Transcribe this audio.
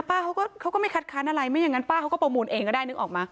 เขาก็เขาก็ไม่คัดค้านอะไรไม่อย่างนั้นป้าเขาก็ประมูลเองก็ได้นึกออกมา